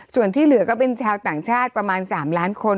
ส่วนที่เหลือก็เป็นชาวต่างชาติประมาณ๓ล้านคน